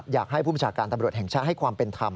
อยากให้ผู้บัญชาการตำรวจแห่งชาติให้ความเป็นธรรม